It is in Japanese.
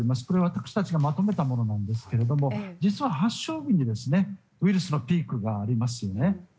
これは私たちがまとめたものですが実は発症日にウイルスのピークがありますよね。